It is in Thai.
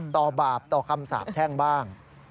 บาปต่อคำสาบแช่งบ้าง